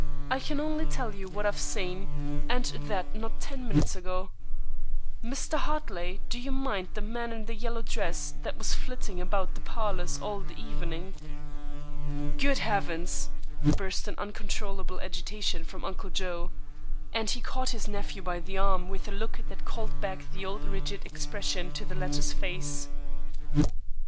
I can only tell you what I've seen, and that not ten minutes ago. Mr. Hartley, do you mind the man in the yellow dress that was flitting about the parlors all the evening?" "Good heavens!" burst in uncontrollable agitation from Uncle Joe; and he caught his nephew by the arm with a look that called back the old rigid expression to the latter's face.